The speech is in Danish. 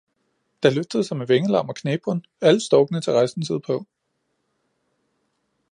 Da løftede sig med Vinge-Larm og Knebbren alle Storkene til Reisen Syd paa.